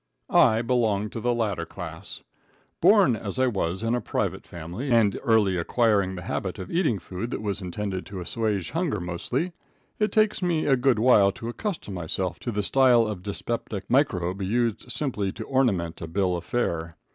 I belong to the latter class. Born, as I was, in a private family, and early acquiring the habit of eating food that was intended to assuage hunger mostly, it takes me a good while to accustom myself to the style of dyspeptic microbe used simply to ornament a bill of fare.